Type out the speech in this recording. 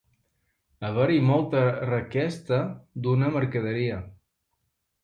Haver-hi molta requesta d'una mercaderia.